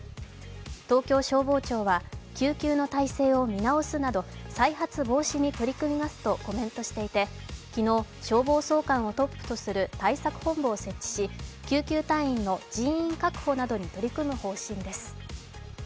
東京消防庁は、救急の体制を見直すなど、再発防止に取り組みますとコメントしていて昨日、消防総監をトップとする対策本部を設置し、救急隊員の人員確保などに取り組む方針です。